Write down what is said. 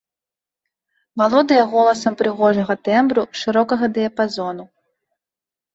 Валодае голасам прыгожага тэмбру, шырокага дыяпазону.